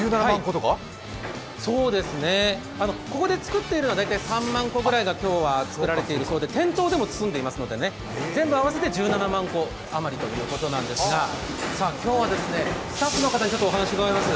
ここで作っているのは３万個くらいが今日は作られているそうですが店頭でも包んでいますので、全部合わせて１７万個余りということですが、スタッフの方にお話しを伺います。